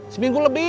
sampai jumpa lagi